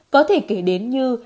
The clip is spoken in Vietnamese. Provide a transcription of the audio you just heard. có thể kể đến như